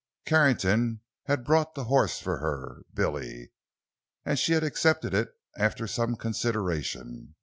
Carrington had bought the horse for her—Billy; and she had accepted it after some consideration.